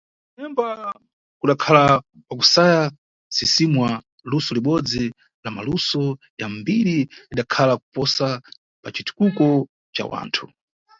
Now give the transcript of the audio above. Kunemba kudakhala, kwa kusaya msisimwa, luso libodzi la maluso ya mbiri lidakhala kuposa pa citukuko ca wanthu.